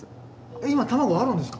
今卵あるんですか？